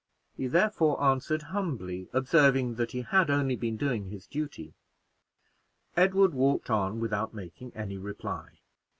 He therefore answered humbly, observing that he had only been doing his duty. Edward walked on without making any reply.